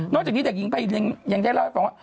นอกจากนี้เด็กยิงไปยังได้เล่าให้พบ